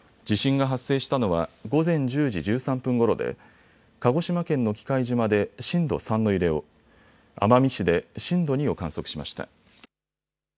地震が発生したのは午前１０時１３分ごろで鹿児島県の喜界島で震度３の揺れを、奄美市で震度２を観測しました。